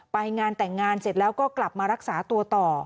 ไปงานแต่งงานเสร็จแล้วก็กลับมารักษาตัวต่อ